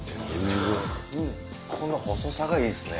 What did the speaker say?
この細さがいいっすね。